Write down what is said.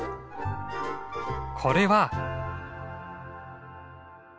これは。